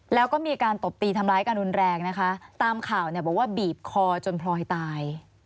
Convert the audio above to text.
แล้วก็มีการตบตีทำร้ายกันรุนแรงนะคะตามข่าวเนี่ยบอกว่าบีบคอจนพลอยตาย